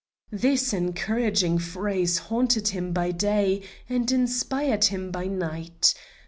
This encouraging phrase haunted him by day and inspired him by night.